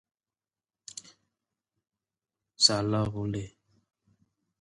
On average, the coolest month is December.